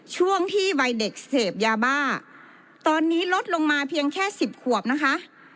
ช่วงที่วัยเด็กเสพยาบ้าตอนนี้ลดลงมาเพียงแค่สิบขวบนะคะ